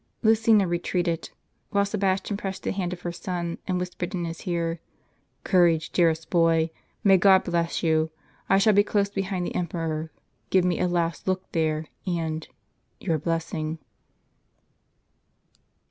Lucina retreated ; while Sebastian pressed the hand of her son, and whispered in his ear, " Courage, dearest boy ; may God bless you ! I shall be close behind the emperor ; give me a last look there, and — your blessing."